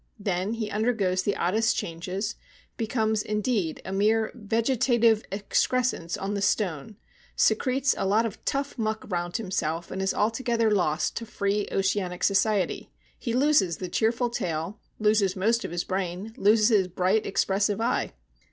Then he undergoes the oddest changes, becomes indeed a mere vegetative excrescence on the stone, secretes a lot of tough muck round himself, and is altogether lost to free oceanic society. He loses the cheerful tail, loses most of his brain, loses his bright expressive eye."